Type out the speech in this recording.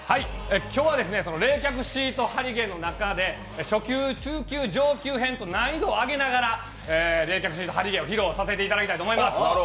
今日は冷却シート貼り芸の中で初級、中級、上級編と難易度を上げながら冷却シート貼り芸を披露させていただきたいと思います。